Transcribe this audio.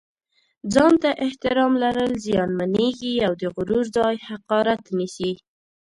ځان ته احترام لرل زیانمېږي او د غرور ځای حقارت نیسي.